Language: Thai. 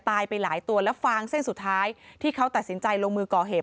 ไปหลายตัวแล้วฟางเส้นสุดท้ายที่เขาตัดสินใจลงมือก่อเหตุ